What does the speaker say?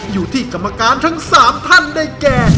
อยู่ที่กรรมการทั้ง๓ท่านได้แก่